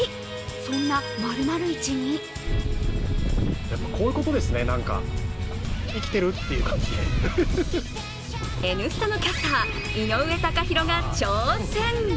そんな○○イチに「Ｎスタ」のキャスター井上貴博が挑戦。